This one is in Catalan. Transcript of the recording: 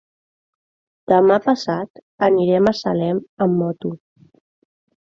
Demà passat anirem a Salem amb moto.